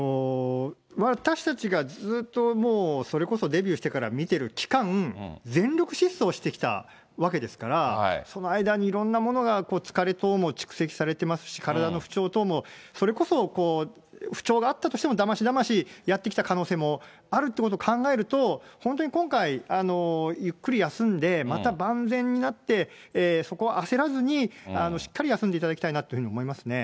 私たちがずっとそれこそデビューしてから見てる期間、全力疾走してきたわけですから、その間に、いろんなものが疲れ等も蓄積されてますし、体の不調等もそれこそ不調があったとしても、だましだまし、やってきた可能性もあるってこと考えると、本当に今回、ゆっくり休んで、また万全になって、そこは焦らずに、しっかり休んでいただきたいなというふうに思いますね。